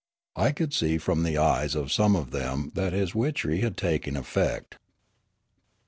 I could see from the eyes of some of them that his witch ery had taken effect.